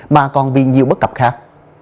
mà còn viên nhiều bất cập khác